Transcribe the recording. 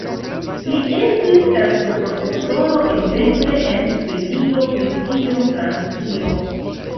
Li estis gastoprofesoro ekzemple en Svedio, Britio, Francio.